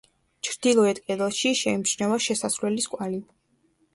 ჩრდილოეთ კედელში შეიმჩნევა შესასვლელის კვალი.